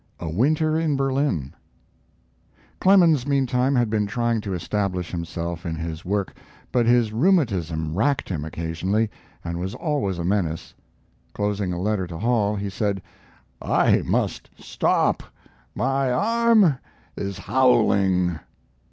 A WINTER IN BERLIN Clemens, meantime, had been trying to establish himself in his work, but his rheumatism racked him occasionally and was always a menace. Closing a letter to Hall, he said: "I must stop my arm is howling."